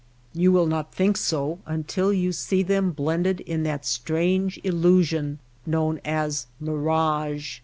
You will not think so until you see them blended in that strange illusion known as mirage.